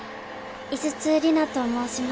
井筒里奈と申します。